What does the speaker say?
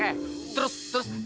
eh terus terus